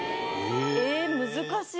えぇ難しい。